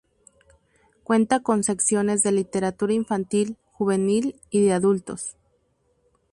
Cuenta con secciones de literatura infantil, juvenil y de adultos.